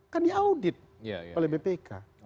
kan diaudit oleh bpk